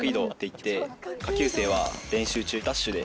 下級生は練習中ダッシュで。